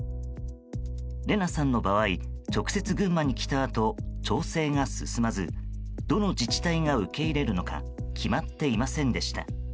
レナさんの場合直接、群馬に来たあと調整が進まずどの自治体が受け入れるのか決まっていませんでした。